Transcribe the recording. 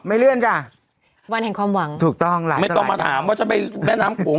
เลื่อนจ้ะวันแห่งความหวังถูกต้องล่ะไม่ต้องมาถามว่าฉันไปแม่น้ำโขง